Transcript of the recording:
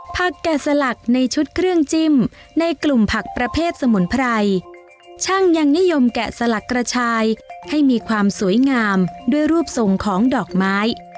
แกะสลักในชุดเครื่องจิ้มในกลุ่มผักประเภทสมุนไพรช่างยังนิยมแกะสลักกระชายให้มีความสวยงามด้วยรูปทรงของดอกไม้